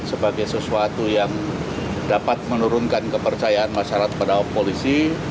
sebagai sesuatu yang dapat menurunkan kepercayaan masyarakat pada polisi